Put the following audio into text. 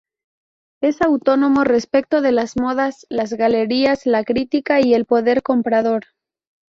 Es autónomo respecto de las modas, las galerías, la crítica y el poder comprador.